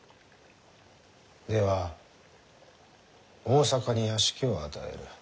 では大坂に屋敷を与える。